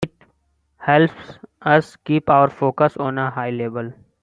It helps us keep our focus on a high level.